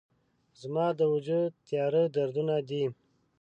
زما د وجود تیاره دردونه دي